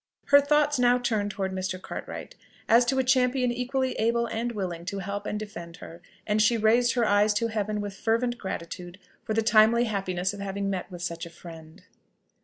Her thoughts now turned towards Mr. Cartwright, as to a champion equally able and willing to help and defend her, and she raised her eyes to Heaven with fervent gratitude for the timely happiness of having met with such a friend.